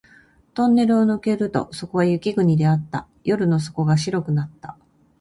トンネルを抜けるとそこは雪国であった。夜の底が白くなった